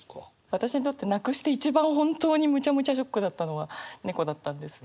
私にとって亡くして一番本当にむちゃむちゃショックだったのは猫だったんです。